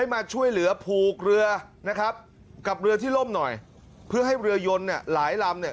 ให้มาช่วยเหลือผูกเรือกับเรือที่ร่มหน่อยเพื่อให้เรือยน่นรำ